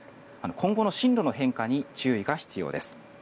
今後の進路の変化に注意が必要です。